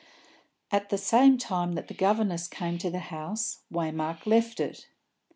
At the same time that the governess came to the house, Waymark left it.